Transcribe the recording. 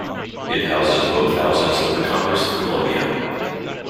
It houses both houses of the Congress of Colombia.